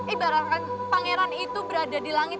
ibarat pangeran itu berada di langit